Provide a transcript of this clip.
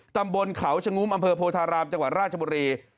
ตำบลเขาชะงุมอำเภอโพธารามจังหวัดราชบุรี